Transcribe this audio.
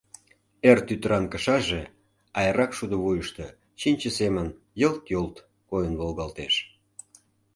Эр тӱтыран кышаже айракшудо вуйышто чинче семын йылт-йолт койын волгалтеш.